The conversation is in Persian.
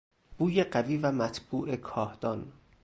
بوی قوی و مطبوع کاهدان